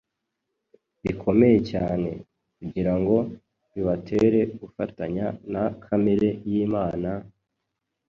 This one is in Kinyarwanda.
bikomeye cyane, kugira ngo bibatere gufatanya na kamere y’Imana,